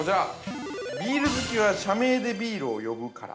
◆ビール好きは社名でビールを呼ぶから。